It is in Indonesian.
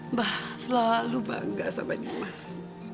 mbah selalu bangga sama dimas